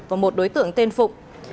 và một đối tượng tên phụng